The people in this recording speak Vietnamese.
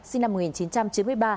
sinh năm một nghìn chín trăm chín mươi ba